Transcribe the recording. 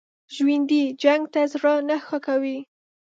ژوندي جنګ ته زړه نه ښه کوي